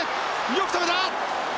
よく止めた！